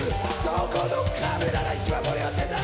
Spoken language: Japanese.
どこのカメラが一番盛り上がってんだ？